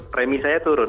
premi saya turun